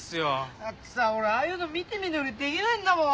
だってさ俺ああいうの見て見ぬふりできないんだもん。